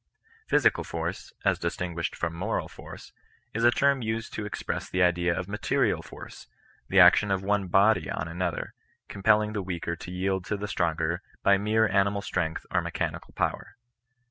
Physical force, as distinguished from moral iaiQey is a term used to express the idea of material force, the action of one body on another, compelling the weaker to yield to the stronger by mere animal strength or mechanical power.